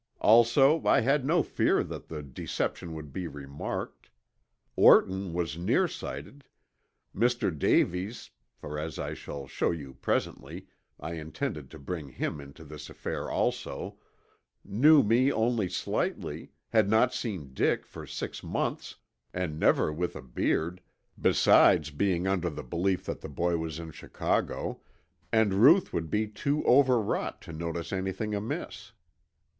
Also I had no fear that the deception would be remarked. Orton was near sighted, Mr. Davies (for as I shall show you presently, I intended to bring him into this affair also), knew me only slightly, had not seen Dick for six months, and never with a beard, besides being under the belief that the boy was in Chicago, and Ruth would be too overwrought to notice anything amiss.